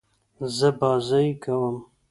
زه بازۍ کوم.